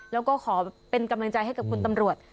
แล้วก็ขอเป็นกำลังใจให้กับคุณตำรวจ